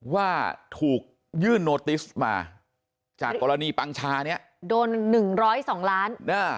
ว่าถูกยื่นโนติสมาจากกรณีปังชาเนี่ยโดน๑๐๒ล้าน